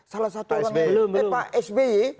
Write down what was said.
salah satu orang pak sby